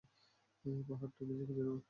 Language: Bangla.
পাহাড়টাটা নিজেই খুঁজে নেব।